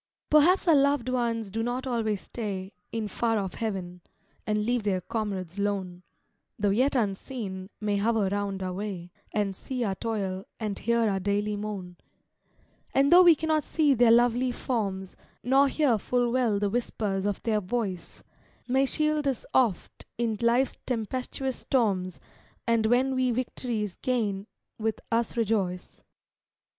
Perhaps our loved ones do not always stay In far off heaven, and leave their comrades lone; Tho' yet unseen, may hover round our way, And see our toil, and hear our daily moan; And tho' we cannot see their lovely forms, Nor hear full well the whispers of their voice, May shield us oft in life's tempestuous storms, And when we victories gain, with us rejoice.